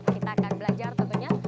kita akan belajar tentunya